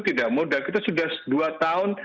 tidak mudah kita sudah dua tahun